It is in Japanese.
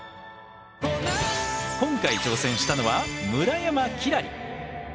今回挑戦したのは村山輝星！